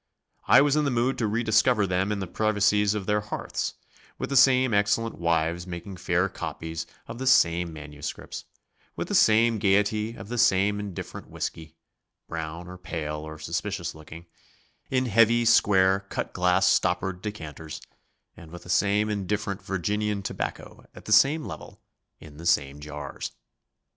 I was in the mood to rediscover them in the privacies of their hearths, with the same excellent wives making fair copies of the same manuscripts, with the same gaiety of the same indifferent whiskey, brown or pale or suspicious looking, in heavy, square, cut glass stoppered decanters, and with the same indifferent Virginian tobacco at the same level in the same jars.